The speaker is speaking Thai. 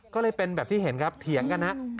ก็เลยเป็นแบบที่เห็นครับเถียงกันฮะ